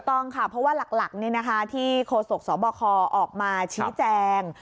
ต้องค่ะเพราะว่าหลักที่โคศกสบคออกมาชี้แจง